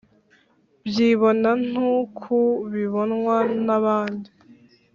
Byibona n uku bibonwa n abandi